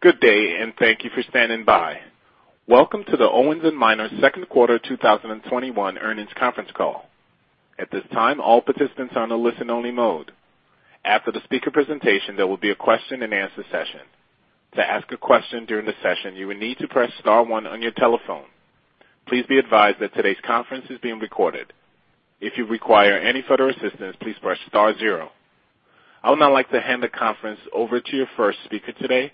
Good day, and thank you for standing by. Welcome to the Owens & Minor second quarter 2021 earnings conference call. At this time, all participants are on a listen-only mode. After the speaker presentation, there will be a question and answer session. To ask a question during the session, you will need to press star one on your telephone. Please be advised that today's conference is being recorded. If you require any further assistance, please press star zero. I would now like to hand the conference over to your first speaker today,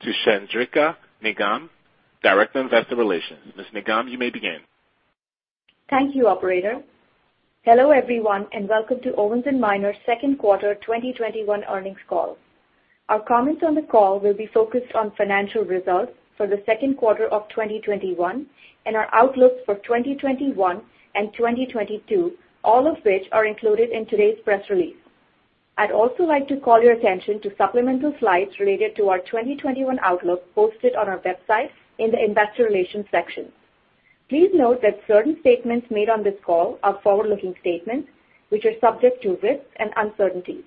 to Chandrika Nigam, Director of Investor Relations. Ms. Nigam, you may begin. Thank you, Operator. Hello, everyone, and welcome to Owens & Minor second quarter 2021 earnings call. Our comments on the call will be focused on financial results for the second quarter of 2021 and our outlook for 2021 and 2022, all of which are included in today's press release. I'd also like to call your attention to supplemental slides related to our 2021 outlook posted on our website in the investor relations section. Please note that certain statements made on this call are forward-looking statements, which are subject to risks and uncertainties.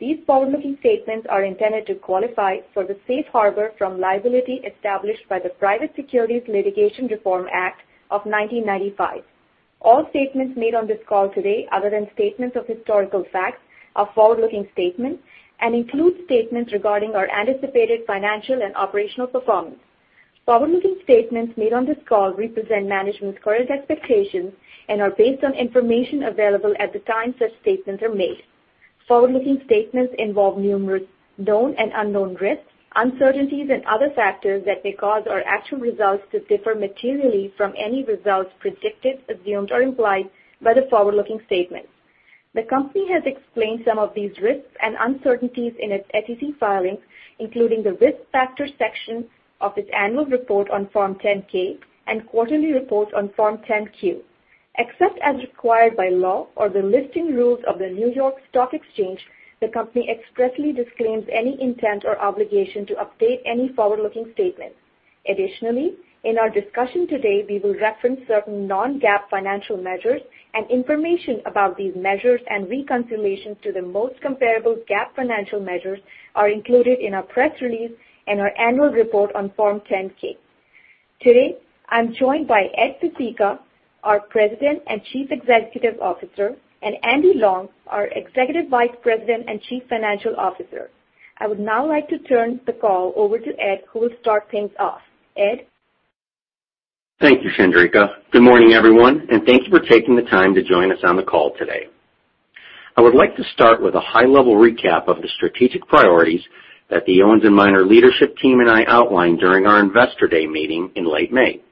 These forward-looking statements are intended to qualify for the safe harbor from liability established by the Private Securities Litigation Reform Act of 1995. All statements made on this call today, other than statements of historical facts, are forward-looking statements and include statements regarding our anticipated financial and operational performance. Forward-looking statements made on this call represent management's current expectations and are based on information available at the time such statements are made. Forward-looking statements involve numerous known and unknown risks, uncertainties, and other factors that may cause our actual results to differ materially from any results predicted, assumed, or implied by the forward-looking statements. The company has explained some of these risks and uncertainties in its SEC filings, including the risk factors section of its annual report on Form 10-K and quarterly report on Form 10-Q. Except as required by law or the listing rules of the New York Stock Exchange, the company expressly disclaims any intent or obligation to update any forward-looking statements. Additionally, in our discussion today, we will reference certain non-GAAP financial measures, and information about these measures and reconciliations to the most comparable GAAP financial measures are included in our press release and our annual report on Form 10-K. Today, I'm joined by Ed Pesicka, our President and Chief Executive Officer, and Andy Long, our Executive Vice President and Chief Financial Officer. I would now like to turn the call over to Ed, who will start things off. Ed? Thank you, Chandrika. Good morning, everyone, and thank you for taking the time to join us on the call today. I would like to start with a high-level recap of the strategic priorities that the Owens & Minor leadership team and I outlined during our Investor Day meeting in late May.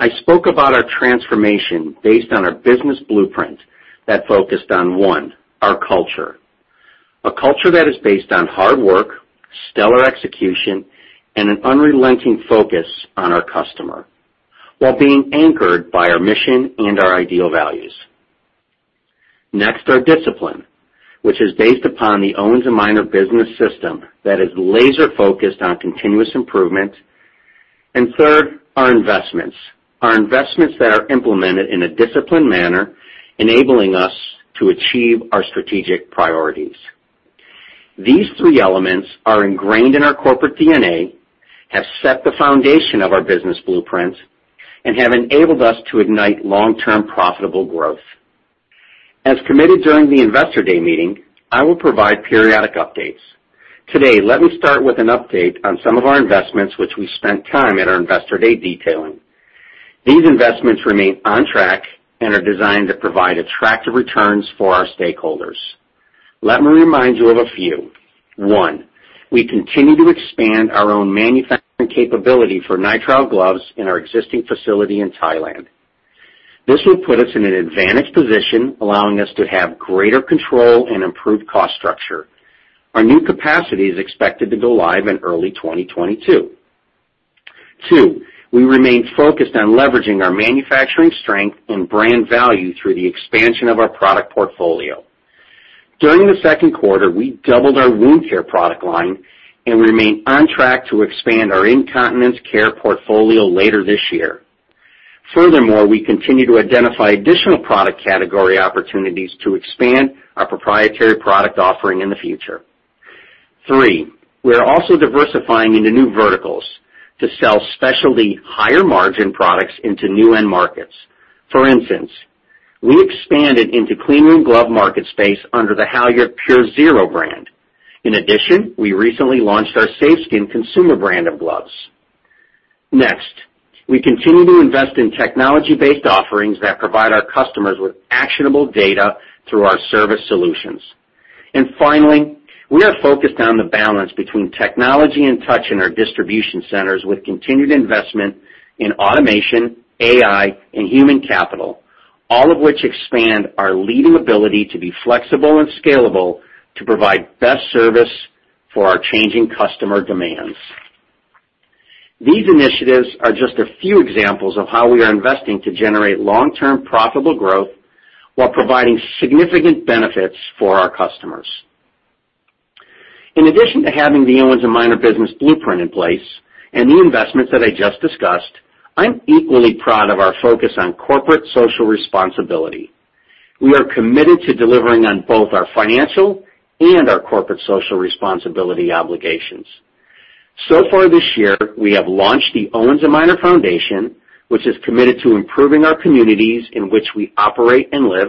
I spoke about our transformation based on our business blueprint that focused on one, our culture. A culture that is based on hard work, stellar execution, and an unrelenting focus on our customer while being anchored by our mission and our IDEAL values. Next, our discipline, which is based upon the Owens & Minor Business System that is laser-focused on continuous improvement. Third, our investments. Our investments that are implemented in a disciplined manner, enabling us to achieve our strategic priorities. These three elements are ingrained in our corporate DNA, have set the foundation of our business blueprint, and have enabled us to ignite long-term profitable growth. As committed during the Investor Day meeting, I will provide periodic updates. Today, let me start with an update on some of our investments, which we spent time at our Investor Day detailing. These investments remain on track and are designed to provide attractive returns for our stakeholders. Let me remind you of a few. One, we continue to expand our own manufacturing capability for nitrile gloves in our existing facility in Thailand. This will put us in an advantage position, allowing us to have greater control and improved cost structure. Our new capacity is expected to go live in early 2022. Two, we remain focused on leveraging our manufacturing strength and brand value through the expansion of our product portfolio. During the second quarter, we doubled our wound care product line and remain on track to expand our incontinence care portfolio later this year. Furthermore, we continue to identify additional product category opportunities to expand our proprietary product offering in the future. Three, we are also diversifying into new verticals to sell specialty higher-margin products into new end markets. For instance, we expanded into cleanroom glove market space under the HALYARD PUREZERO brand. In addition, we recently launched our SAFESKIN consumer brand of gloves. Next, we continue to invest in technology-based offerings that provide our customers with actionable data through our service solutions. Finally, we are focused on the balance between technology and touch in our distribution centers with continued investment in automation, AI, and human capital, all of which expand our leading ability to be flexible and scalable to provide best service for our changing customer demands. These initiatives are just a few examples of how we are investing to generate long-term profitable growth while providing significant benefits for our customers. In addition to having the Owens & Minor business blueprint in place and the investments that I just discussed, I'm equally proud of our focus on corporate social responsibility. We are committed to delivering on both our financial and our corporate social responsibility obligations. So far this year, we have launched the Owens & Minor Foundation, which is committed to improving our communities in which we operate and live.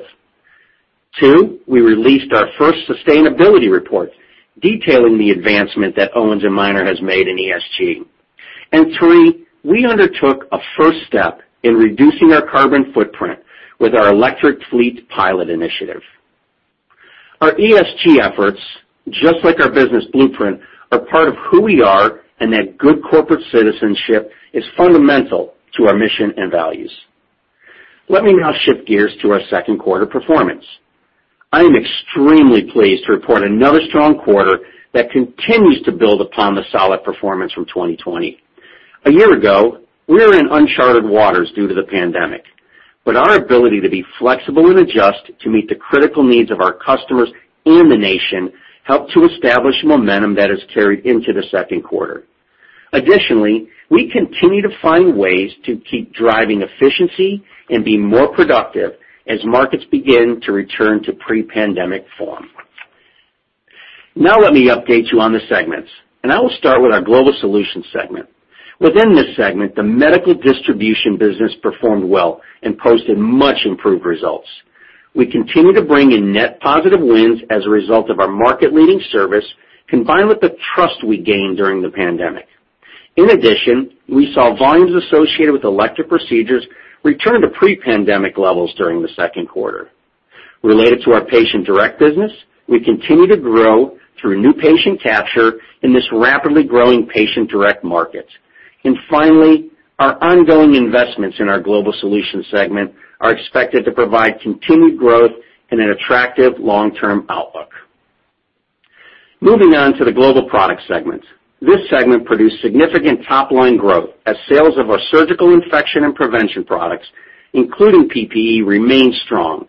Two, we released our first sustainability report detailing the advancement that Owens & Minor has made in ESG. Three, we undertook a first step in reducing our carbon footprint with our electric fleet pilot initiative. Our ESG efforts, just like our business blueprint, are part of who we are and that good corporate citizenship is fundamental to our mission and values. Let me now shift gears to our second quarter performance. I am extremely pleased to report another strong quarter that continues to build upon the solid performance from 2020. A year ago, we were in uncharted waters due to the pandemic, but our ability to be flexible and adjust to meet the critical needs of our customers and the nation helped to establish momentum that has carried into the second quarter. Additionally, we continue to find ways to keep driving efficiency and be more productive as markets begin to return to pre-pandemic form. Now let me update you on the segments, and I will start with our Global Solutions segment. Within this segment, the medical distribution business performed well and posted much-improved results. We continue to bring in net positive wins as a result of our market-leading service, combined with the trust we gained during the pandemic. In addition, we saw volumes associated with elective procedures return to pre-pandemic levels during the second quarter. Related to our Patient Direct business, we continue to grow through new patient capture in this rapidly growing Patient Direct market. Finally, our ongoing investments in our Global Solutions segment are expected to provide continued growth and an attractive long-term outlook. Moving on to the Global Products segment. This segment produced significant top-line growth as sales of our surgical infection and prevention products, including PPE, remain strong.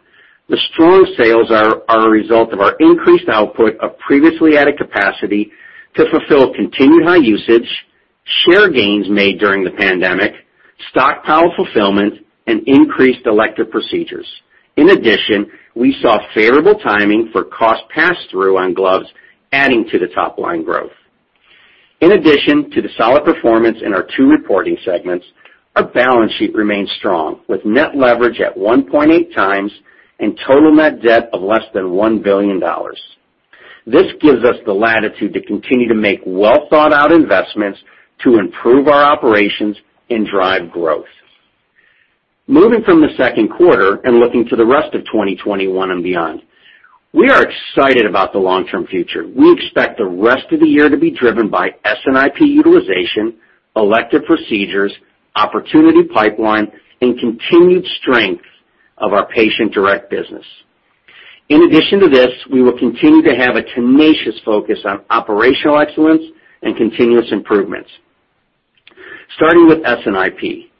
The strong sales are a result of our increased output of previously added capacity to fulfill continued high usage, share gains made during the pandemic, stockpile fulfillment, and increased elective procedures. In addition, we saw favorable timing for cost pass-through on gloves, adding to the top-line growth. In addition to the solid performance in our two reporting segments, our balance sheet remains strong, with net leverage at 1.8x and total net debt of less than $1 billion. This gives us the latitude to continue to make well-thought-out investments to improve our operations and drive growth. Moving from the second quarter and looking to the rest of 2021 and beyond, we are excited about the long-term future. We expect the rest of the year to be driven by S&IP utilization, elective procedures, opportunity pipeline, and continued strength of our Patient Direct business. In addition to this, we will continue to have a tenacious focus on operational excellence and continuous improvements. Starting with S&IP.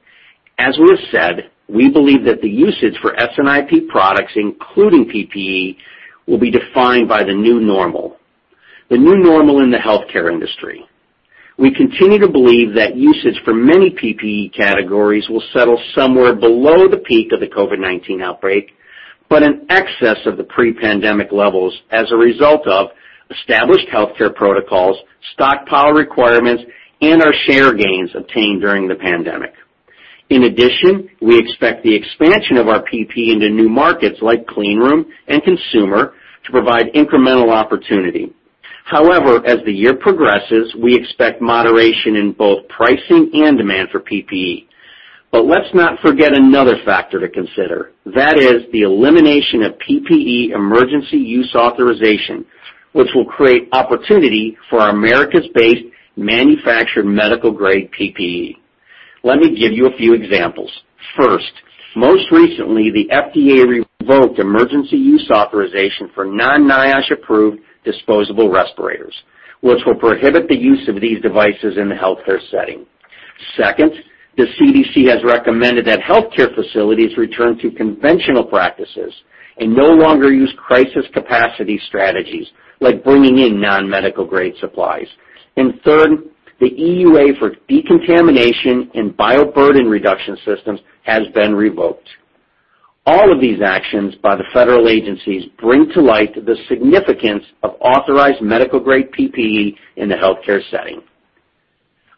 As we have said, we believe that the usage for S&IP products, including PPE, will be defined by the new normal, the new normal in the healthcare industry. We continue to believe that usage for many PPE categories will settle somewhere below the peak of the COVID-19 outbreak, but in excess of the pre-pandemic levels as a result of established healthcare protocols, stockpile requirements, and our share gains obtained during the pandemic. In addition, we expect the expansion of our PPE into new markets like cleanroom and consumer to provide incremental opportunity. As the year progresses, we expect moderation in both pricing and demand for PPE. Let's not forget another factor to consider. That is the elimination of PPE emergency use authorization, which will create opportunity for our Americas-based manufactured medical-grade PPE. Let me give you a few examples. First, most recently, the FDA revoked emergency use authorization for non-NIOSH-approved disposable respirators, which will prohibit the use of these devices in the healthcare setting. Second, the CDC has recommended that healthcare facilities return to conventional practices and no longer use crisis capacity strategies like bringing in non-medical-grade supplies. Third, the EUA for decontamination and bioburden reduction systems has been revoked. All of these actions by the federal agencies bring to light the significance of authorized medical-grade PPE in the healthcare setting.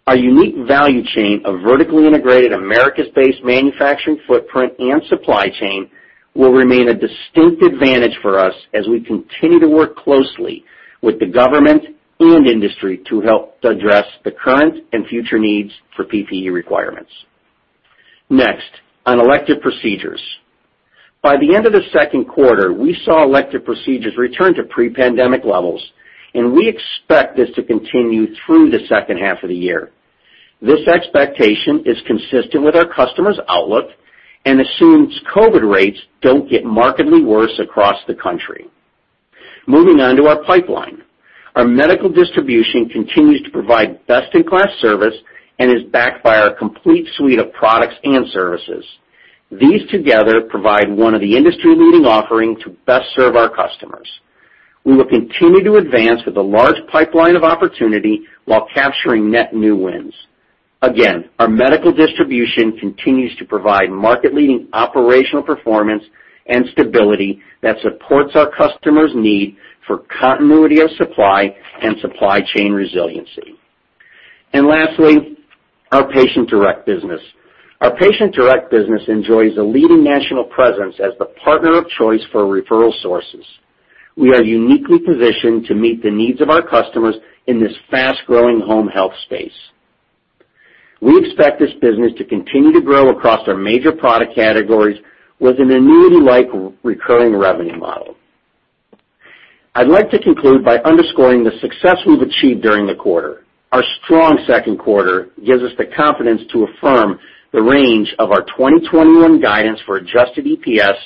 Our unique value chain of vertically integrated Americas-based manufacturing footprint and supply chain will remain a distinct advantage for us as we continue to work closely with the government and industry to help address the current and future needs for PPE requirements. Next, on elective procedures. By the end of the second quarter, we saw elective procedures return to pre-pandemic levels, and we expect this to continue through the second half of the year. This expectation is consistent with our customers' outlook and assumes COVID rates don't get markedly worse across the country. Moving on to our pipeline. Our medical distribution continues to provide best-in-class service and is backed by our complete suite of products and services. These together provide one of the industry-leading offering to best serve our customers. We will continue to advance with a large pipeline of opportunity while capturing net new wins. Our medical distribution continues to provide market-leading operational performance and stability that supports our customers' need for continuity of supply and supply chain resiliency. Lastly, our Patient Direct business. Our Patient Direct business enjoys a leading national presence as the partner of choice for referral sources. We are uniquely positioned to meet the needs of our customers in this fast-growing home health space. We expect this business to continue to grow across our major product categories with an annuity-like recurring revenue model. I'd like to conclude by underscoring the success we've achieved during the quarter. Our strong second quarter gives us the confidence to affirm the range of our 2021 guidance for adjusted EPS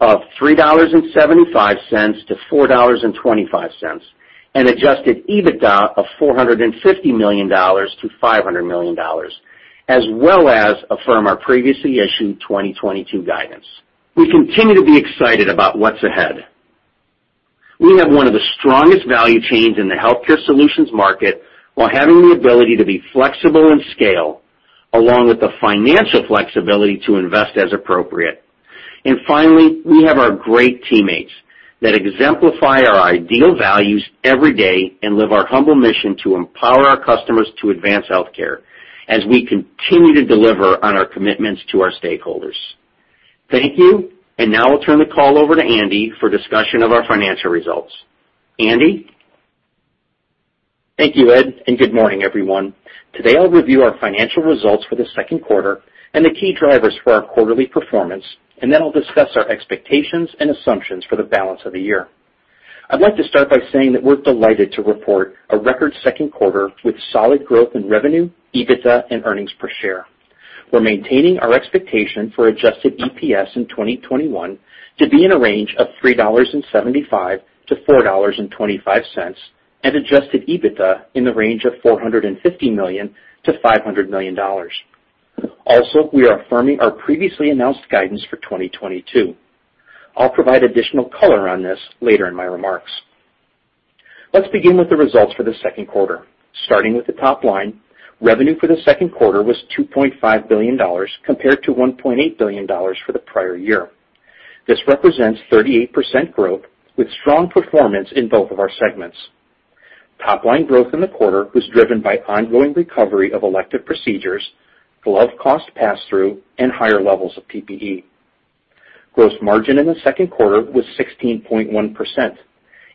of $3.75-$4.25, and adjusted EBITDA of $450 million-$500 million, as well as affirm our previously issued 2022 guidance. We continue to be excited about what's ahead. We have one of the strongest value chains in the healthcare solutions market while having the ability to be flexible in scale, along with the financial flexibility to invest as appropriate. Finally, we have our great teammates that exemplify our ideal values every day and live our humble mission to empower our customers to advance healthcare as we continue to deliver on our commitments to our stakeholders. Thank you. Now I'll turn the call over to Andy for discussion of our financial results. Andy? Thank you, Ed. Good morning, everyone. Today, I'll review our financial results for the second quarter and the key drivers for our quarterly performance, then I'll discuss our expectations and assumptions for the balance of the year. I'd like to start by saying that we're delighted to report a record second quarter with solid growth in revenue, EBITDA, and earnings per share. We're maintaining our expectation for adjusted EPS in 2021 to be in a range of $3.75-$4.25, and adjusted EBITDA in the range of $450 million-$500 million. We are affirming our previously announced guidance for 2022. I'll provide additional color on this later in my remarks. Let's begin with the results for the second quarter. Starting with the top line, revenue for the second quarter was $2.5 billion, compared to $1.8 billion for the prior year. This represents 38% growth with strong performance in both of our segments. Top-line growth in the quarter was driven by ongoing recovery of elective procedures, glove cost pass-through, and higher levels of PPE. Gross margin in the second quarter was 16.1%,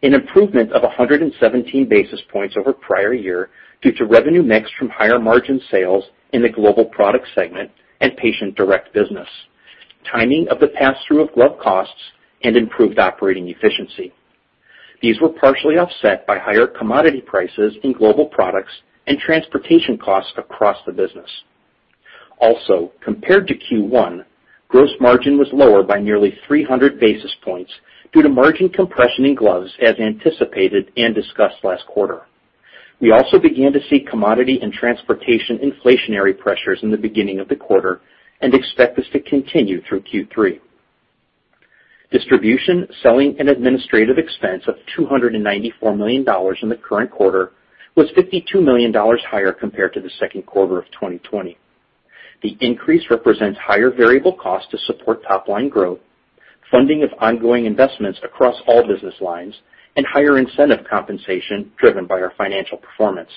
an improvement of 117 basis points over prior year due to revenue mix from higher margin sales in the Global Products segment and Patient Direct business, timing of the pass-through of glove costs, and improved operating efficiency. These were partially offset by higher commodity prices in Global Products and transportation costs across the business. Also, compared to Q1, gross margin was lower by nearly 300 basis points due to margin compression in gloves as anticipated and discussed last quarter. We also began to see commodity and transportation inflationary pressures in the beginning of the quarter and expect this to continue through Q3. Distribution, selling, and administrative expense of $294 million in the current quarter was $52 million higher compared to the second quarter of 2020. The increase represents higher variable costs to support top-line growth, funding of ongoing investments across all business lines, and higher incentive compensation driven by our financial performance.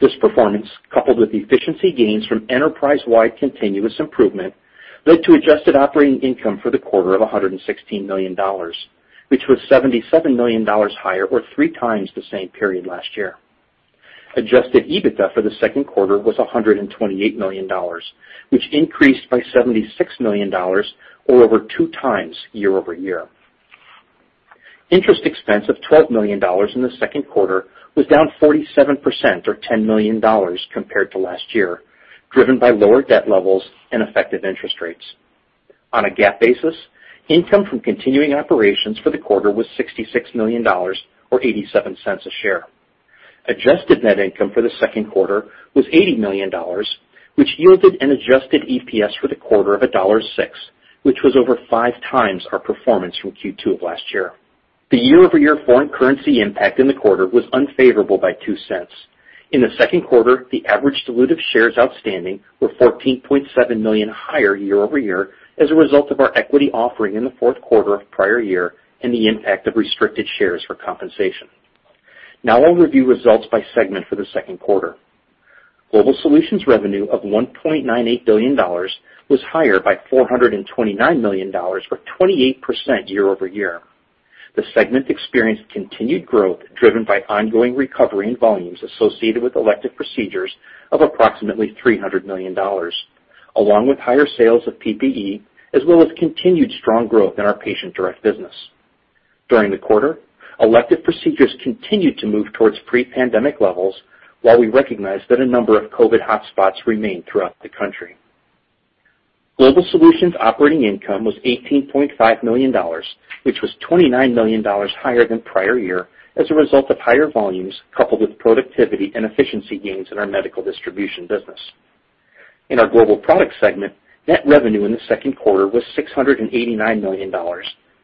This performance, coupled with efficiency gains from enterprise-wide continuous improvement, led to adjusted operating income for the quarter of $116 million, which was $77 million higher or 3x the same period last year. Adjusted EBITDA for the second quarter was $128 million, which increased by $76 million or over 2x year-over-year. Interest expense of $12 million in the second quarter was down 47% or $10 million compared to last year, driven by lower debt levels and effective interest rates. On a GAAP basis, income from continuing operations for the quarter was $66 million or $0.87 a share. Adjusted net income for the second quarter was $80 million, which yielded an adjusted EPS for the quarter of $1.6, which was over five times our performance from Q2 of last year. The year-over-year foreign currency impact in the quarter was unfavorable by $0.02. In the second quarter, the average dilutive shares outstanding were 14.7 million higher year-over-year as a result of our equity offering in the fourth quarter of the prior year and the impact of restricted shares for compensation. Now I'll review results by segment for the second quarter. Global Solutions revenue of $1.98 billion was higher by $429 million or 28% year-over-year. The segment experienced continued growth driven by ongoing recovery in volumes associated with elective procedures of approximately $300 million, along with higher sales of PPE, as well as continued strong growth in our Patient Direct business. During the quarter, elective procedures continued to move towards pre-pandemic levels while we recognized that a number of COVID hotspots remain throughout the country. Global Solutions operating income was $18.5 million, which was $29 million higher than prior year as a result of higher volumes coupled with productivity and efficiency gains in our medical distribution business. In our Global Products segment, net revenue in the second quarter was $689 million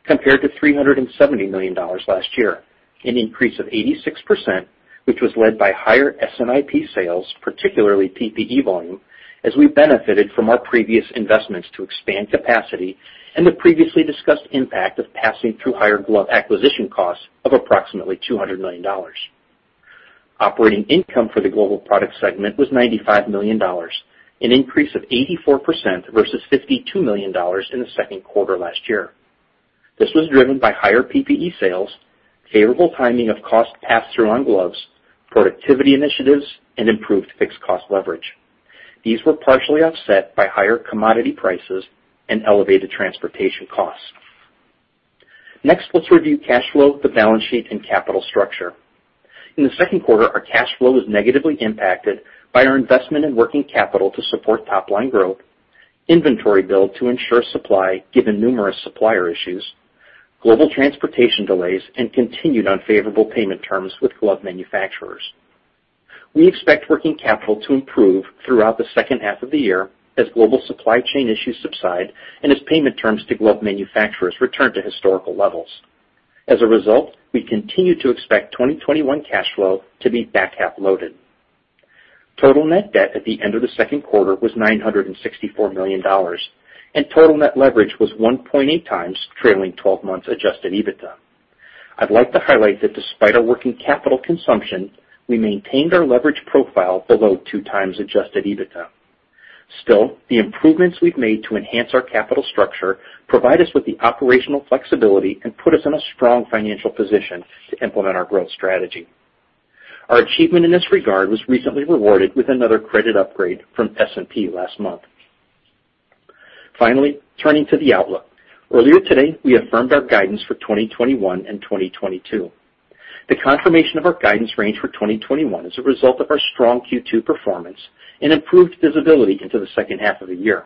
compared to $370 million last year, an increase of 86%, which was led by higher S&IP sales, particularly PPE volume, as we benefited from our previous investments to expand capacity and the previously discussed impact of passing through higher glove acquisition costs of approximately $200 million. Operating income for the Global Products segment was $95 million, an increase of 84% versus $52 million in the second quarter last year. This was driven by higher PPE sales, favorable timing of cost pass-through on gloves, productivity initiatives, and improved fixed cost leverage. These were partially offset by higher commodity prices and elevated transportation costs. Next, let's review cash flow, the balance sheet and capital structure. In the second quarter, our cash flow was negatively impacted by our investment in working capital to support top-line growth, inventory build to ensure supply, given numerous supplier issues, global transportation delays, and continued unfavorable payment terms with glove manufacturers. We expect working capital to improve throughout the second half of the year as global supply chain issues subside and as payment terms to glove manufacturers return to historical levels. As a result, we continue to expect 2021 cash flow to be back-half loaded. Total net debt at the end of the second quarter was $964 million, and total net leverage was 1.8x trailing 12 months adjusted EBITDA. I'd like to highlight that despite our working capital consumption, we maintained our leverage profile below 2x adjusted EBITDA. Still, the improvements we've made to enhance our capital structure provide us with the operational flexibility and put us in a strong financial position to implement our growth strategy. Our achievement in this regard was recently rewarded with another credit upgrade from S&P last month. Finally, turning to the outlook. Earlier today, we affirmed our guidance for 2021 and 2022. The confirmation of our guidance range for 2021 is a result of our strong Q2 performance and improved visibility into the second half of the year.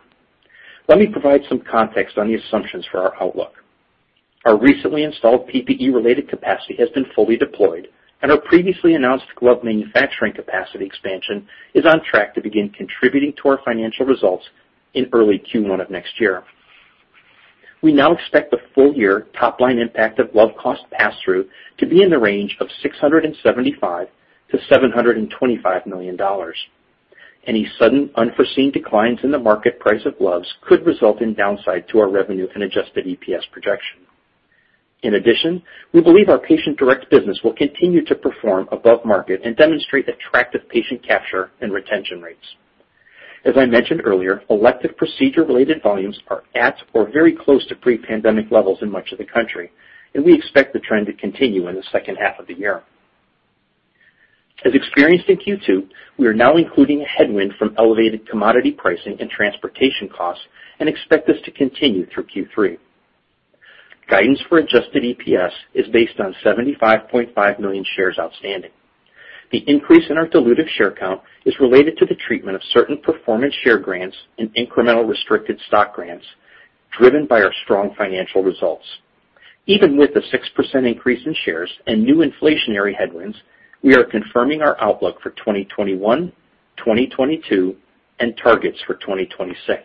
Let me provide some context on the assumptions for our outlook. Our recently installed PPE-related capacity has been fully deployed, and our previously announced glove manufacturing capacity expansion is on track to begin contributing to our financial results in early Q1 of next year. We now expect the full-year top-line impact of glove cost pass-through to be in the range of $675 million-$725 million. Any sudden unforeseen declines in the market price of gloves could result in downside to our revenue and adjusted EPS projection. In addition, we believe our Patient Direct business will continue to perform above market and demonstrate attractive patient capture and retention rates. As I mentioned earlier, elective procedure-related volumes are at or very close to pre-pandemic levels in much of the country, and we expect the trend to continue in the second half of the year. As experienced in Q2, we are now including a headwind from elevated commodity pricing and transportation costs and expect this to continue through Q3. Guidance for adjusted EPS is based on 75.5 million shares outstanding. The increase in our dilutive share count is related to the treatment of certain performance share grants and incremental restricted stock grants driven by our strong financial results. Even with the 6% increase in shares and new inflationary headwinds, we are confirming our outlook for 2021, 2022, and targets for 2026.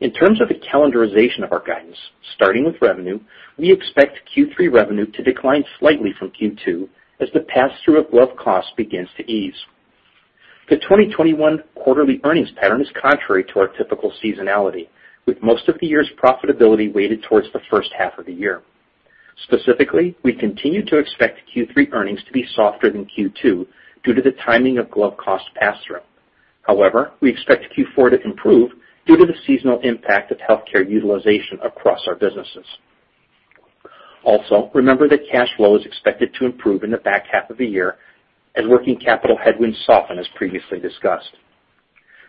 In terms of the calendarization of our guidance, starting with revenue, we expect Q3 revenue to decline slightly from Q2 as the pass-through of glove cost begins to ease. The 2021 quarterly earnings pattern is contrary to our typical seasonality, with most of the year's profitability weighted towards the first half of the year. Specifically, we continue to expect Q3 earnings to be softer than Q2 due to the timing of glove cost pass-through. However, we expect Q4 to improve due to the seasonal impact of healthcare utilization across our businesses. Remember that cash flow is expected to improve in the back half of the year as working capital headwinds soften, as previously discussed.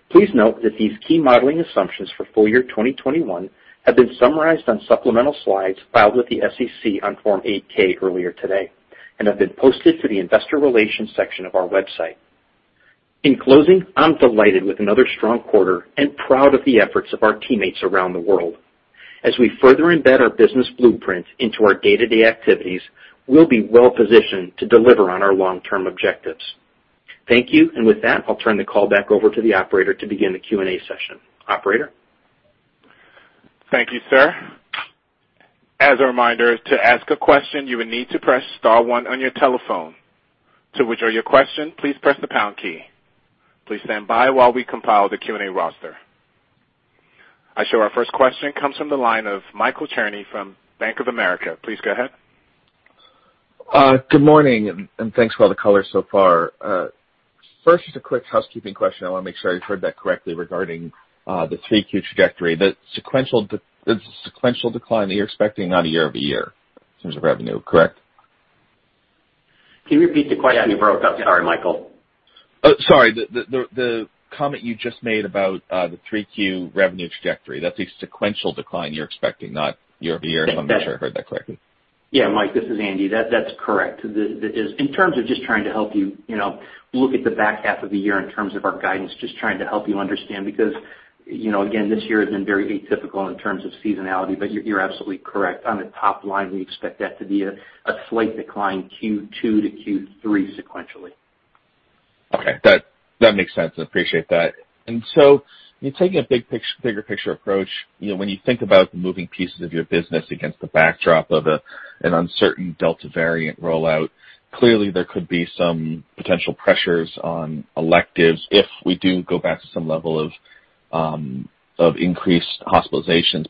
Please note that these key modeling assumptions for full-year 2021 have been summarized on supplemental slides filed with the SEC on Form 8-K earlier today and have been posted to the investor relations section of our website. In closing, I'm delighted with another strong quarter and proud of the efforts of our teammates around the world. As we further embed our business system into our day-to-day activities, we'll be well-positioned to deliver on our long-term objectives. Thank you. With that, I'll turn the call back over to the operator to begin the Q&A session. Operator? Thank you, sir. As a reminder, to ask a question, you will need to press star one on your telephone. To withdraw your question, please press the pound key. Please stand by while we compile the Q&A roster. I show our first question comes from the line of Michael Cherny from Bank of America. Please go ahead. Good morning. Thanks for all the color so far. First, just a quick housekeeping question I want to make sure I heard that correctly regarding the 3Q trajectory. The sequential decline that you're expecting, not a year-over-year in terms of revenue, correct? Can you repeat the question? You broke up. Sorry, Michael. Sorry. The comment you just made about the 3Q revenue trajectory, that's a sequential decline you're expecting, not year-over-year, if I made sure I heard that correctly. Yeah, Mike, this is Andy. That's correct. In terms of just trying to help you look at the back half of the year in terms of our guidance, just trying to help you understand because this year has been very atypical in terms of seasonality, but you're absolutely correct. On the top line, we expect that to be a slight decline Q2 to Q3 sequentially. Okay. That makes sense. I appreciate that. You're taking a bigger picture approach. When you think about the moving pieces of your business against the backdrop of an uncertain Delta variant rollout, clearly there could be some potential pressures on electives if we do go back to some level of increased hospitalizations.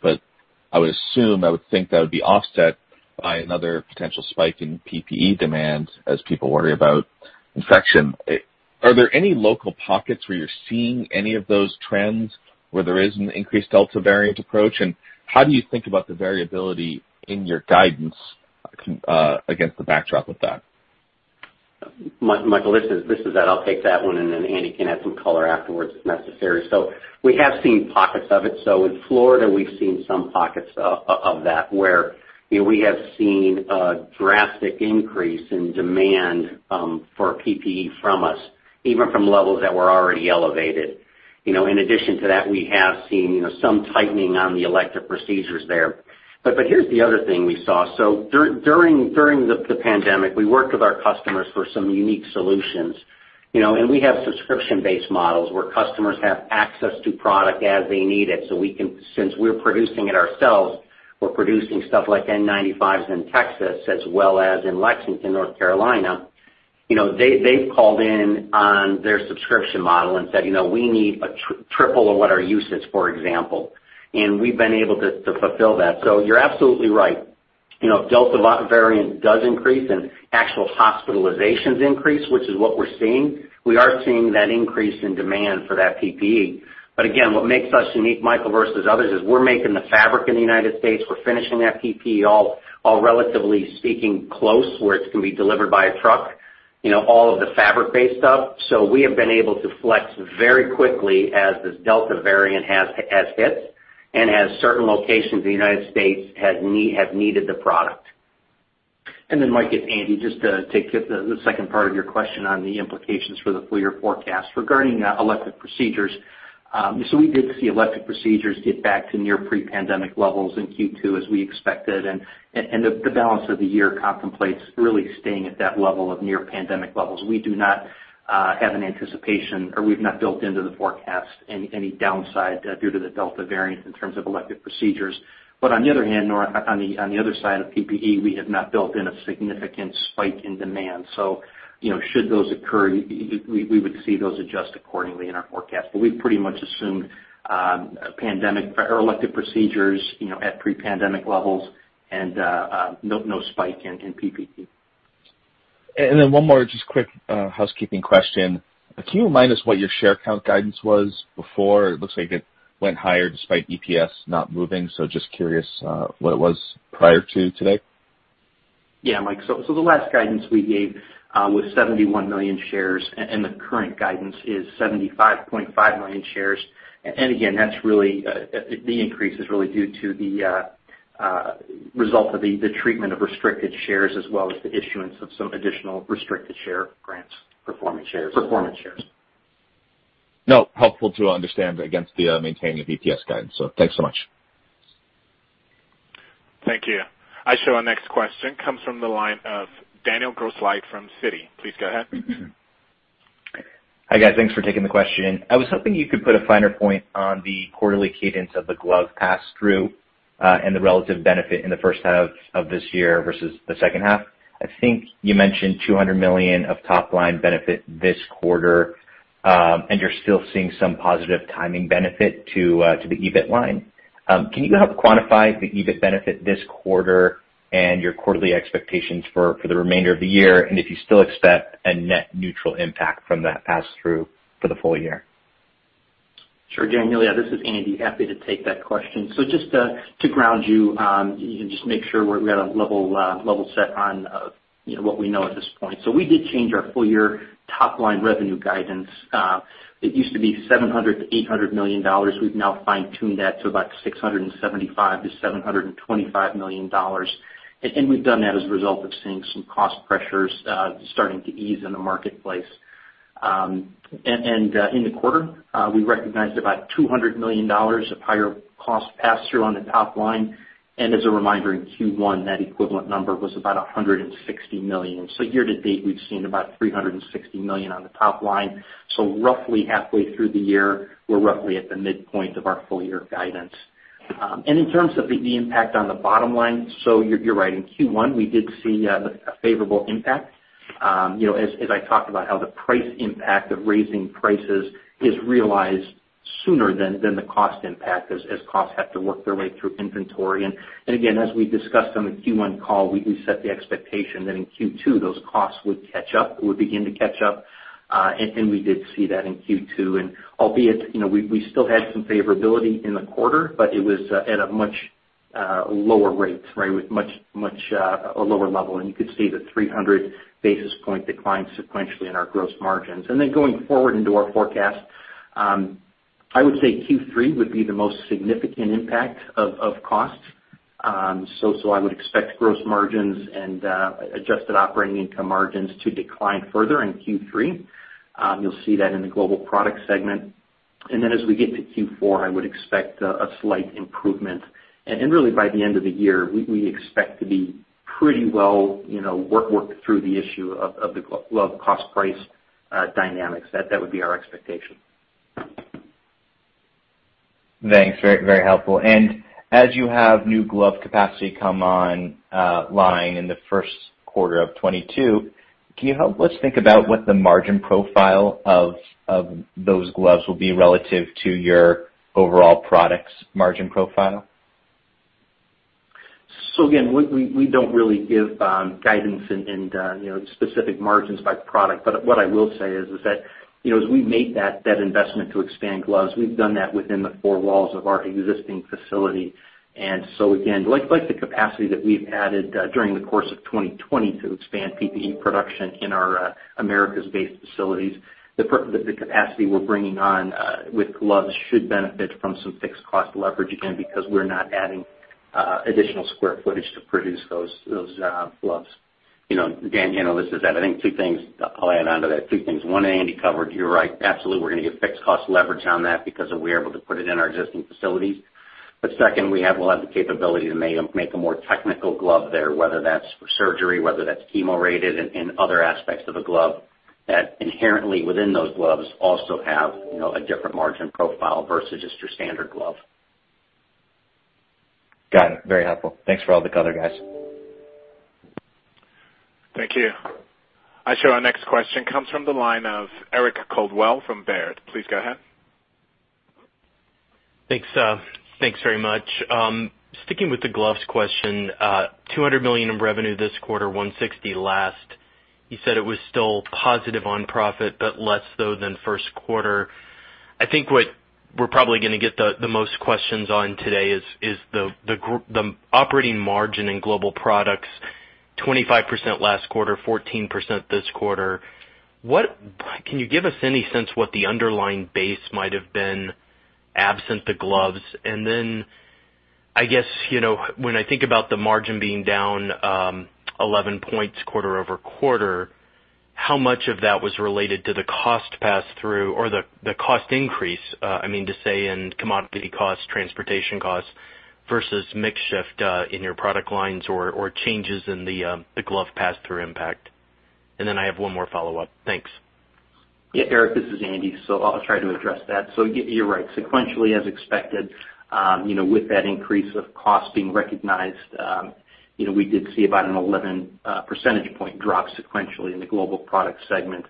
I would assume, I would think that would be offset by another potential spike in PPE demand as people worry about infection. Are there any local pockets where you're seeing any of those trends, where there is an increased Delta variant approach? How do you think about the variability in your guidance against the backdrop of that? Michael, this is Ed. I'll take that one and then Andy can add some color afterwards if necessary. We have seen pockets of it. In Florida, we've seen some pockets of that, where we have seen a drastic increase in demand for PPE from us, even from levels that were already elevated. In addition to that, we have seen some tightening on the elective procedures there. Here's the other thing we saw. During the pandemic, we worked with our customers for some unique solutions. We have subscription-based models where customers have access to product as they need it. Since we're producing it ourselves, we're producing stuff like N95 in Texas as well as in Lexington, North Carolina. They've called in on their subscription model and said, "We need triple of what our use is," for example, and we've been able to fulfill that. You're absolutely right. If Delta variant does increase and actual hospitalizations increase, which is what we're seeing, we are seeing that increase in demand for that PPE. Again, what makes us unique, Michael, versus others, is we're making the fabric in the United States We're finishing that PPE all, relatively speaking, close where it can be delivered by a truck, all of the fabric-based stuff. We have been able to flex very quickly as this Delta variant has hit and as certain locations in the United States have needed the product. Mike, it's Andy, just to get the second part of your question on the implications for the full year forecast regarding elective procedures. We did see elective procedures get back to near pre-pandemic levels in Q2 as we expected, and the balance of the year contemplates really staying at that level of near pandemic levels. We do not have an anticipation, or we've not built into the forecast any downside due to the Delta variant in terms of elective procedures. On the other hand, nor on the other side of PPE, we have not built in a significant spike in demand. Should those occur, we would see those adjust accordingly in our forecast. We've pretty much assumed pandemic or elective procedures at pre-pandemic levels and no spike in PPE. One more just quick housekeeping question. Can you remind us what your share count guidance was before? It looks like it went higher despite EPS not moving. Just curious what it was prior to today. Yeah, Mike. The last guidance we gave was 71 million shares, and the current guidance is 75.5 million shares. Again, the increase is really due to the result of the treatment of restricted shares as well as the issuance of some additional restricted share grants. Performance shares. Performance shares. No, helpful to understand against the maintaining of EPS guidance. Thanks so much. Thank you. I show our next question comes from the line of Daniel Grosslight from Citi. Please go ahead. Hi, guys. Thanks for taking the question. I was hoping you could put a finer point on the quarterly cadence of the glove pass-through and the relative benefit in the first half of this year versus the second half. I think you mentioned $200 million of top-line benefit this quarter, and you're still seeing some positive timing benefit to the EBIT line. Can you help quantify the EBIT benefit this quarter and your quarterly expectations for the remainder of the year, and if you still expect a net neutral impact from that pass-through for the full year? Sure, Daniel. Yeah, this is Andy. Happy to take that question. Just to ground you can just make sure we're at a level set on what we know at this point. We did change our full year top line revenue guidance. It used to be $700 million-$800 million. We've now fine-tuned that to about $675 million-$725 million. We've done that as a result of seeing some cost pressures starting to ease in the marketplace. In the quarter, we recognized about $200 million of higher cost pass-through on the top line. As a reminder, in Q1, that equivalent number was about $160 million. Year to date, we've seen about $360 million on the top line. Roughly halfway through the year, we're roughly at the midpoint of our full year guidance. In terms of the impact on the bottom line, you're right. In Q1, we did see a favorable impact. As I talked about how the price impact of raising prices is realized sooner than the cost impact as costs have to work their way through inventory. Again, as we discussed on the Q1 call, we set the expectation that in Q2, those costs would catch up or begin to catch up. We did see that in Q2. Albeit, we still had some favorability in the quarter, but it was at a much lower rate. With much a lower level, you could see the 300 basis points decline sequentially in our gross margins. Going forward into our forecast, I would say Q3 would be the most significant impact of costs. I would expect gross margins and adjusted operating income margins to decline further in Q3. You'll see that in the global product segment. As we get to Q4, I would expect a slight improvement. Really by the end of the year, we expect to be pretty well worked through the issue of the glove cost price dynamics. That would be our expectation. Thanks. Very helpful. As you have new glove capacity come online in the first quarter of 2022, can you help us think about what the margin profile of those gloves will be relative to your overall products margin profile? Again, we don't really give guidance in specific margins by product. What I will say is that, as we made that investment to expand gloves, we've done that within the four walls of our existing facility. Again, like the capacity that we've added during the course of 2020 to expand PPE production in our Americas-based facilities, the capacity we're bringing on with gloves should benefit from some fixed cost leverage again, because we're not adding additional square footage to produce those gloves. Dan, this is Ed. I think two things I'll add onto that. Two things. One, Andy covered. You're right. Absolutely, we're going to get fixed cost leverage on that because we're able to put it in our existing facilities. Second, we have a lot of the capability to make a more technical glove there, whether that's for surgery, whether that's chemo-rated and other aspects of a glove that inherently within those gloves also have a different margin profile versus just your standard glove. Got it. Very helpful. Thanks for all the color, guys. Thank you. I show our next question comes from the line of Eric Coldwell from Baird. Please go ahead. Thanks very much. Sticking with the gloves question, $200 million in revenue this quarter, $160 million last. You said it was still positive on profit, but less so than first quarter. I think what we're probably going to get the most questions on today is the operating margin in Global Products, 25% last quarter, 14% this quarter. Can you give us any sense what the underlying base might have been absent the gloves? I guess, when I think about the margin being down 11 points quarter-over-quarter, how much of that was related to the cost pass through or the cost increase to say in commodity cost, transportation cost versus mix shift in your product lines or changes in the glove pass through impact? I have one more follow-up. Thanks. Yeah. Eric, this is Andy. I'll try to address that. You're right, sequentially as expected with that increase of cost being recognized, we did see about an 11 percentage point drop sequentially in the Global Products segment.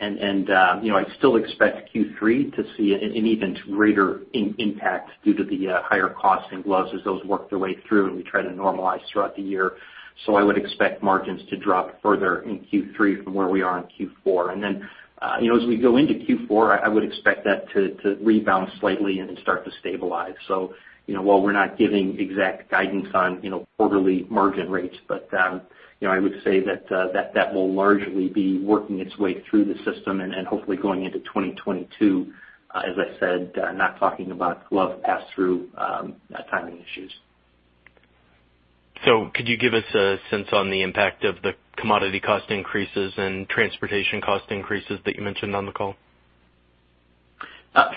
I still expect Q3 to see an even greater impact due to the higher cost in gloves as those work their way through, and we try to normalize throughout the year. I would expect margins to drop further in Q3 from where we are in Q4. As we go into Q4, I would expect that to rebound slightly and start to stabilize. While we're not giving exact guidance on quarterly margin rates, but I would say that will largely be working its way through the system and hopefully going into 2022, as I said, not talking about glove pass through timing issues. Could you give us a sense on the impact of the commodity cost increases and transportation cost increases that you mentioned on the call?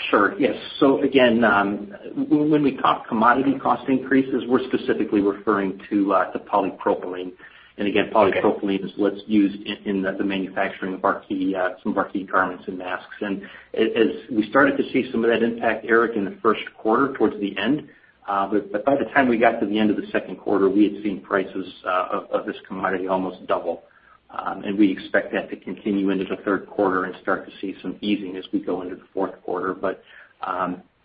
Sure. Yes. Again, when we talk commodity cost increases, we're specifically referring to the polypropylene. Again, polypropylene is what's used in the manufacturing of some of our key garments and masks. As we started to see some of that impact, Eric, in the first quarter towards the end, but by the time we got to the end of the second quarter, we had seen prices of this commodity almost double. We expect that to continue into the third quarter and start to see some easing as we go into the fourth quarter.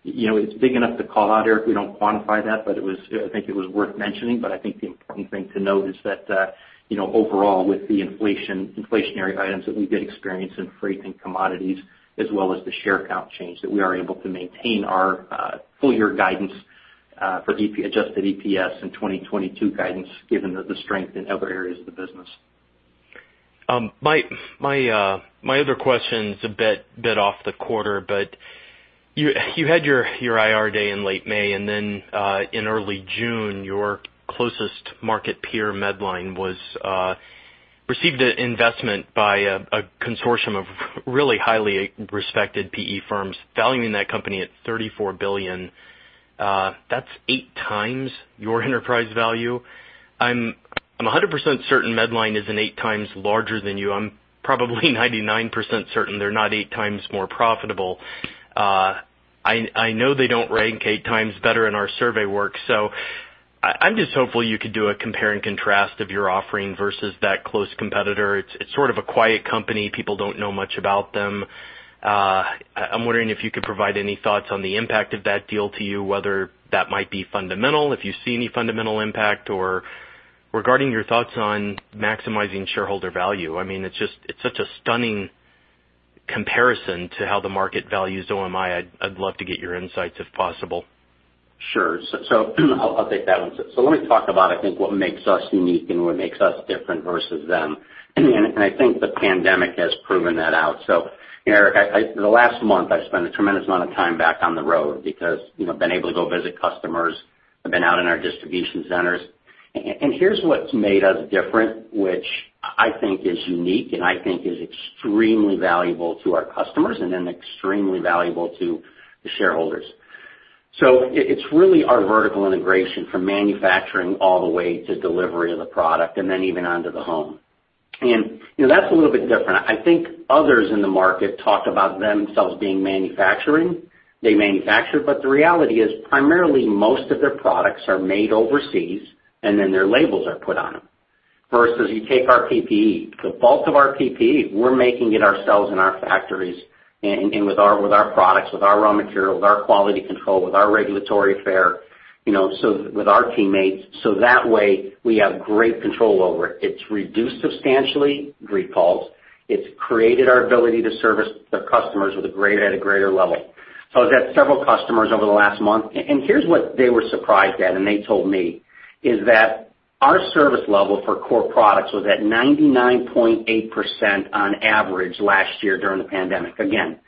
It's big enough to call out, Eric. We don't quantify that, but I think it was worth mentioning. I think the important thing to note is that overall with the inflationary items that we did experience in freight and commodities, as well as the share count change, that we are able to maintain our full year guidance for adjusted EPS and 2022 guidance given the strength in other areas of the business. My other question's a bit off the quarter. You had your IR day in late May, and then in early June, your closest market peer, Medline, received an investment by a consortium of really highly respected PE firms valuing that company at $34 billion. That's 8x your enterprise value. I'm 100% certain Medline isn't 8x larger than you. I'm probably 99% certain they're not 8x more profitable. I know they don't rank 8x better in our survey work. I'm just hopeful you could do a compare and contrast of your offering versus that close competitor. It's sort of a quiet company. People don't know much about them. I'm wondering if you could provide any thoughts on the impact of that deal to you, whether that might be fundamental, if you see any fundamental impact, or regarding your thoughts on maximizing shareholder value. It's such a stunning comparison to how the market values OMI. I'd love to get your insights if possible. Sure. I'll take that one. Let me talk about, I think, what makes us unique and what makes us different versus them. I think the pandemic has proven that out. Eric, the last month, I've spent a tremendous amount of time back on the road because I've been able to go visit customers, I've been out in our distribution centers. Here's what's made us different, which I think is unique and I think is extremely valuable to our customers and then extremely valuable to the shareholders. It's really our vertical integration from manufacturing all the way to delivery of the product, and then even onto the home. That's a little bit different. I think others in the market talk about themselves being manufacturing. They manufacture, the reality is primarily most of their products are made overseas, and then their labels are put on them. Versus you take our PPE, the bulk of our PPE, we're making it ourselves in our factories and with our products, with our raw material, with our quality control, with our regulatory affairs, with our teammates, so that way we have great control over it. It's reduced substantially recalls. It's created our ability to service the customers at a greater level. I was at several customers over the last month, and here's what they were surprised at, and they told me, is that our service level for core products was at 99.8% on average last year during the pandemic. Again,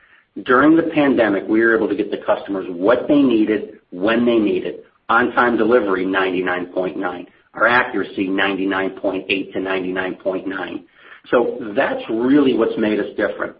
during the pandemic, we were able to get the customers what they needed, when they needed, on-time delivery, 99.9%. Our accuracy, 99.8%-99.9%. That's really what's made us different.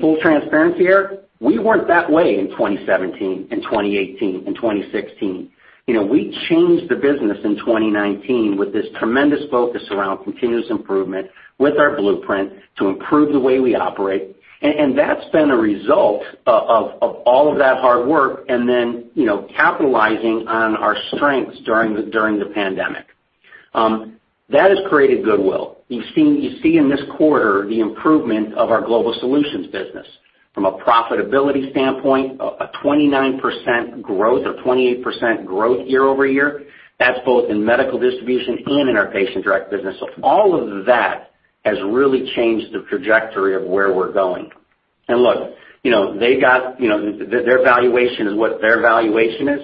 Full transparency, Eric, we weren't that way in 2017, in 2018, in 2016. We changed the business in 2019 with this tremendous focus around continuous improvement with our blueprint to improve the way we operate. That's been a result of all of that hard work and then capitalizing on our strengths during the pandemic. That has created goodwill. You see in this quarter the improvement of our Global Solutions business. From a profitability standpoint, a 29% growth or 28% growth year-over-year. That's both in medical distribution and in our Patient Direct business. All of that has really changed the trajectory of where we're going. Look, their valuation is what their valuation is.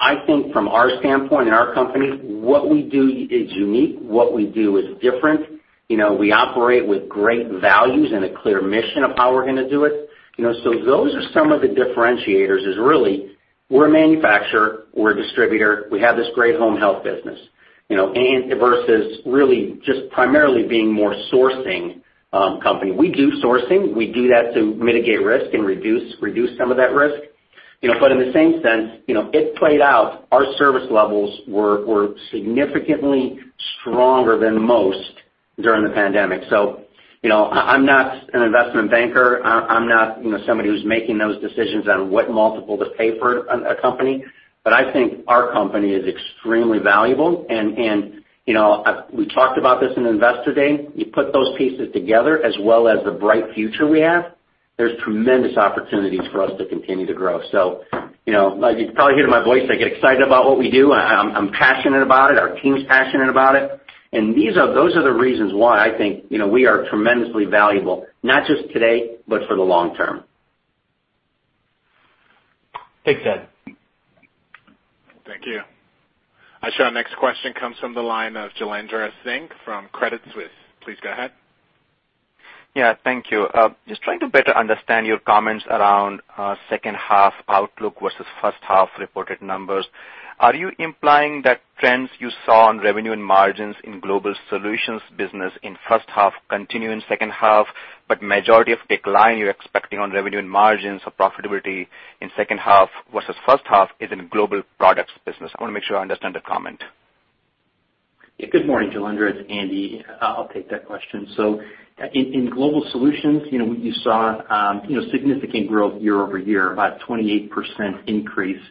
I think from our standpoint and our company, what we do is unique. What we do is different. We operate with great values and a clear mission of how we're going to do it. Those are some of the differentiators, is really we're a manufacturer, we're a distributor, we have this great home health business versus really just primarily being more sourcing company. We do sourcing. We do that to mitigate risk and reduce some of that risk. In the same sense, it played out, our service levels were significantly stronger than most during the pandemic. I'm not an investment banker, I'm not somebody who's making those decisions on what multiple to pay for a company, I think our company is extremely valuable. We talked about this in Investor Day. You put those pieces together as well as the bright future we have, there's tremendous opportunities for us to continue to grow. You can probably hear my voice, I get excited about what we do. I'm passionate about it. Our team's passionate about it. Those are the reasons why I think we are tremendously valuable, not just today, but for the long term. Thanks, Ed. Thank you. I show our next question comes from the line of Jailendra Singh from Credit Suisse. Please go ahead. Yeah, thank you. Just trying to better understand your comments around second half outlook versus first half reported numbers. Are you implying that trends you saw on revenue and margins in Global Solutions business in first half continue in second half, but majority of decline you're expecting on revenue and margins or profitability in second half versus first half is in global products business? I want to make sure I understand the comment. Good morning, Jailendra, it's Andy. I'll take that question. In Global Solutions, you saw significant growth year-over-year, about a 28% increase.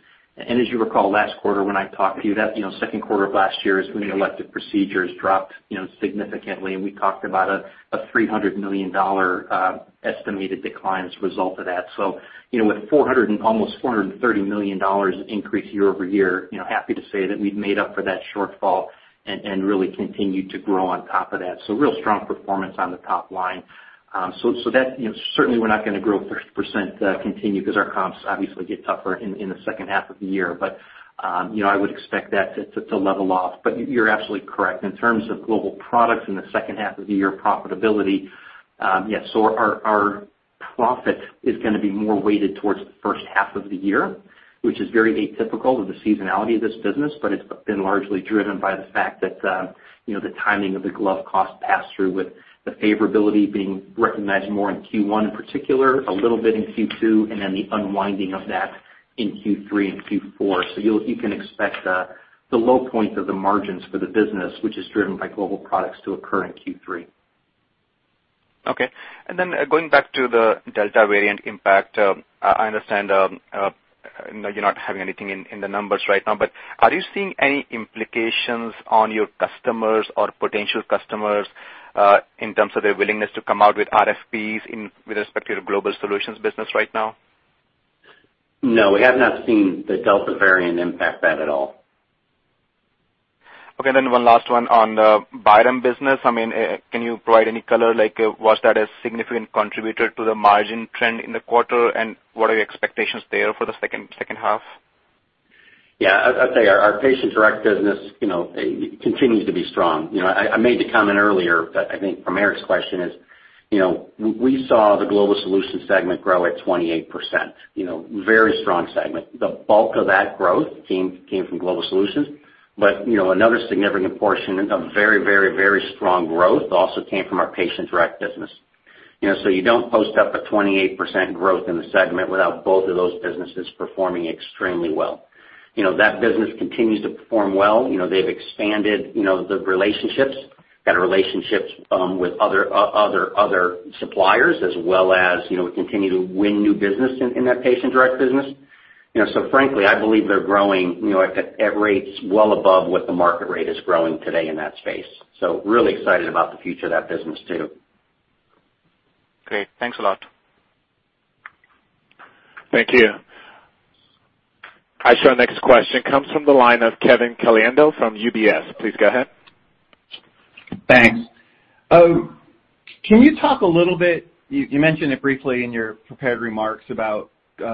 As you recall last quarter when I talked to you, that second quarter of last year as elective procedures dropped significantly, and we talked about a $300 million estimated decline as a result of that. With almost $430 million increase year-over-year, happy to say that we've made up for that shortfall and really continued to grow on top of that. Real strong performance on the top line. Certainly we're not going to grow 30% continue because our comps obviously get tougher in the second half of the year. I would expect that to level off. You're absolutely correct. In terms of Global Products in the second half of the year profitability, yes, our profit is going to be more weighted towards the first half of the year, which is very atypical of the seasonality of this business, but it's been largely driven by the fact that the timing of the glove cost pass-through with the favorability being recognized more in Q1 in particular, a little bit in Q2, and then the unwinding of that in Q3 and Q4. You can expect the low points of the margins for the business, which is driven by Global Products to occur in Q3. Okay. Going back to the Delta variant impact, I understand you're not having anything in the numbers right now, but are you seeing any implications on your customers or potential customers in terms of their willingness to come out with RFPs with respect to your Global Solutions business right now? No, we have not seen the Delta variant impact that at all. Okay, One last one on the Byram business. Can you provide any color, like was that a significant contributor to the margin trend in the quarter? What are your expectations there for the second half? Yeah, I'd say our Patient Direct business continues to be strong. I made the comment earlier, but I think from Eric's question is, we saw the Global Solutions segment grow at 28%. Very strong segment. The bulk of that growth came from Global Solutions, but another significant portion of very strong growth also came from our Patient Direct business. You don't post up a 28% growth in the segment without both of those businesses performing extremely well. That business continues to perform well. They've expanded the relationships, got relationships with other suppliers as well as we continue to win new business in that Patient Direct business. Frankly, I believe they're growing at rates well above what the market rate is growing today in that space. Really excited about the future of that business, too. Great. Thanks a lot. Thank you. I show our next question comes from the line of Kevin Caliendo from UBS. Please go ahead. Thanks. Can you talk a little bit, you mentioned it briefly in your prepared remarks about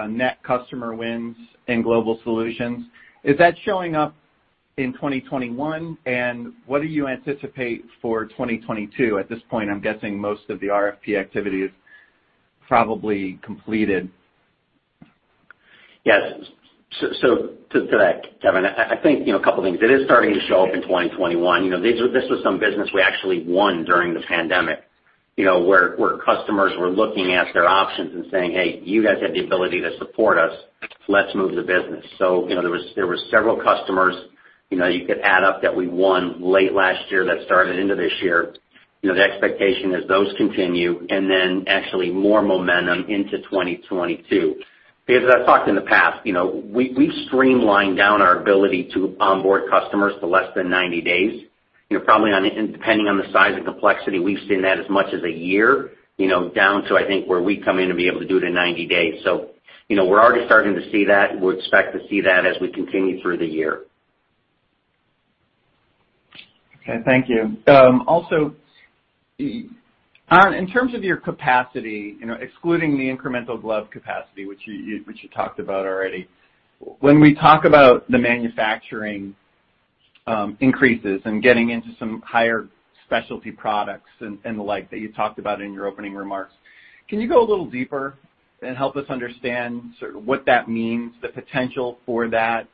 net customer wins in Global Solutions. Is that showing up in 2021? What do you anticipate for 2022? At this point, I'm guessing most of the RFP activity is probably completed. Yes. To that, Kevin, I think a couple things. It is starting to show up in 2021. This was some business we actually won during the pandemic, where customers were looking at their options and saying, "Hey, you guys have the ability to support us. Let's move the business." There was several customers, you could add up that we won late last year that started into this year. The expectation is those continue then actually more momentum into 2022. I've talked in the past, we've streamlined down our ability to onboard customers to less than 90 days. Depending on the size and complexity, we've seen that as much as a year, down to, I think, where we come in and be able to do it in 90 days. We're already starting to see that, and we'll expect to see that as we continue through the year. Okay, thank you. Also, in terms of your capacity, excluding the incremental glove capacity, which you talked about already, when we talk about the manufacturing increases and getting into some higher specialty products and the like that you talked about in your opening remarks, can you go a little deeper and help us understand sort of what that means, the potential for that?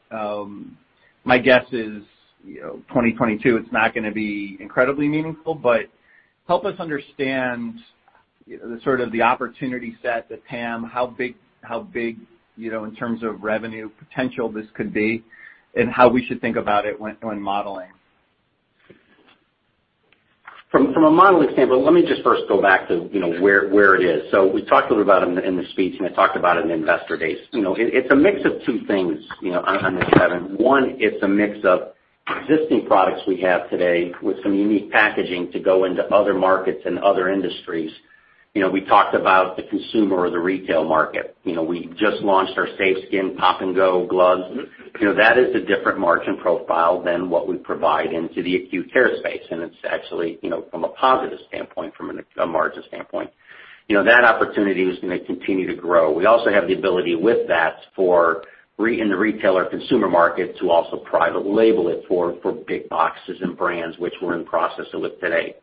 My guess is 2022 it's not going to be incredibly meaningful, but help us understand the sort of the opportunity set, the TAM, how big in terms of revenue potential this could be and how we should think about it when modeling. From a modeling standpoint, let me just first go back to where it is. We talked a little about it in the speech, and I talked about it in Investor Day. It's a mix of two things on this, Kevin. One, it's a mix of existing products we have today with some unique packaging to go into other markets and other industries. We talked about the consumer or the retail market. We just launched our SAFESKIN POP-N-GO gloves. That is a different margin profile than what we provide into the acute care space, and it's actually from a positive standpoint, from a margin standpoint. That opportunity is going to continue to grow. We also have the ability with that in the retailer consumer market to also private label it for big boxes and brands, which we're in the process of with today.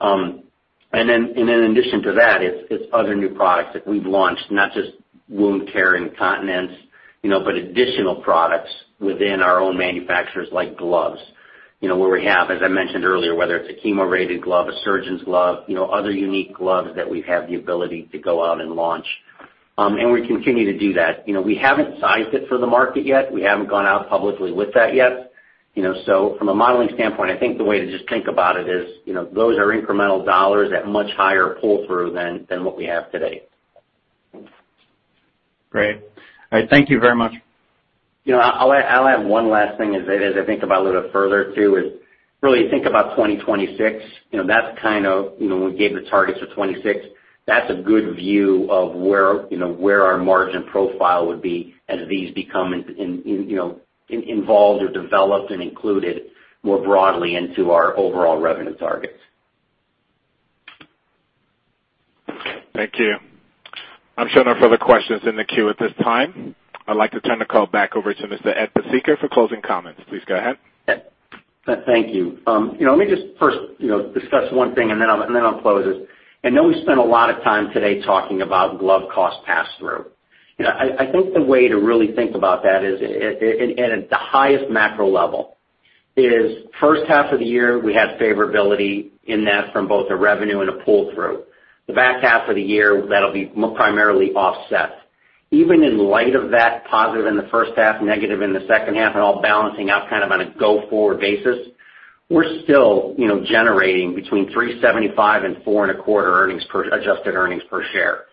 In addition to that, it's other new products that we've launched, not just wound care and incontinence, but additional products within our own manufacturers like gloves, where we have, as I mentioned earlier, whether it's a chemo-rated glove, a surgeon's glove, other unique gloves that we have the ability to go out and launch. We continue to do that. We haven't sized it for the market yet. We haven't gone out publicly with that yet. From a modeling standpoint, I think the way to just think about it is, those are incremental dollars at much higher pull-through than what we have today. Great. All right. Thank you very much. I'll add one last thing as I think about a little further too, is really think about 2026. We gave the targets for 2026. That's a good view of where our margin profile would be as these become involved or developed and included more broadly into our overall revenue targets. Thank you. I'm showing no further questions in the queue at this time. I'd like to turn the call back over to Mr. Ed Pesicka for closing comments. Please go ahead. Thank you. Let me just first discuss one thing, and then I'll close this. I know we spent a lot of time today talking about glove cost passthrough. I think the way to really think about that at the highest macro level is first half of the year, we had favorability in that from both a revenue and a pull-through. The back half of the year, that'll be primarily offset. Even in light of that positive in the first half, negative in the second half, and all balancing out kind of on a go-forward basis, we're still generating between $3.75 and $4.25 adjusted earnings per share.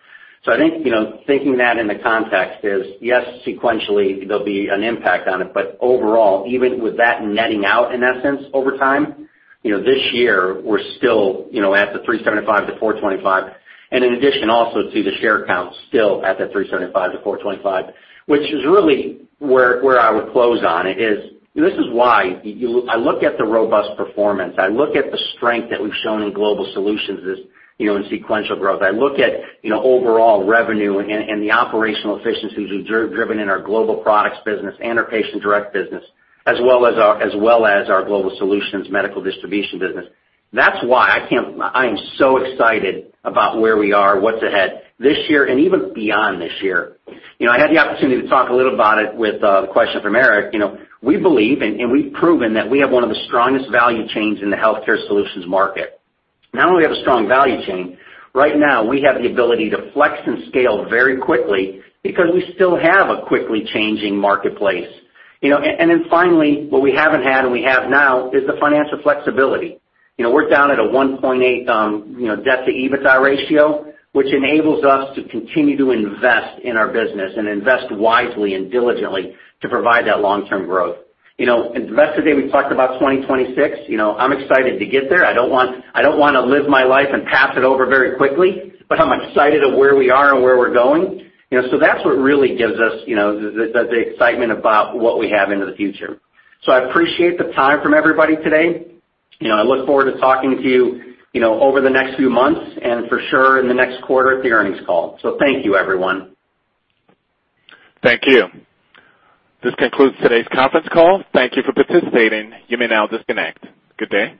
I think, thinking that in the context is, yes, sequentially, there'll be an impact on it, but overall, even with that netting out, in essence, over time, this year, we're still at the $3.75-$4.25. In addition, also see the share count still at that $3.75-$4.25, which is really where I would close on it is. This is why I look at the robust performance, I look at the strength that we have shown in Global Solutions and sequential growth. I look at overall revenue and the operational efficiencies we have driven in our global products business and our Patient Direct business, as well as our Global Solutions medical distribution business. That is why I am so excited about where we are, what is ahead this year and even beyond this year. I had the opportunity to talk a little about it with a question from Eric. We believe and we have proven that we have one of the strongest value chains in the healthcare solutions market. Not only we have a strong value chain, right now, we have the ability to flex and scale very quickly because we still have a quickly changing marketplace. Finally, what we haven't had and we have now is the financial flexibility. We're down at a 1.8 debt to EBITDA ratio, which enables us to continue to invest in our business and invest wisely and diligently to provide that long-term growth. Investor Day, we talked about 2026. I'm excited to get there. I don't want to live my life and pass it over very quickly, but I'm excited of where we are and where we're going. That's what really gives us the excitement about what we have into the future. I appreciate the time from everybody today. I look forward to talking to you over the next few months and for sure in the next quarter at the earnings call. Thank you, everyone. Thank you. This concludes today's conference call. Thank you for participating. You may now disconnect. Good day.